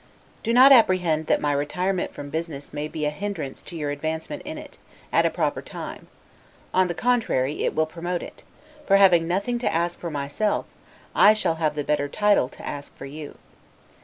Do not apprehend that my retirement from business may be a hindrance to your advancement in it, at a proper time: on the contrary, it will promote it; for, having nothing to ask for myself, I shall have the better title to ask for you.